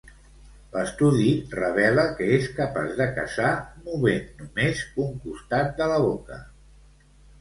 L'estudi revela que és capaç de caçar movent només un costat de la boca.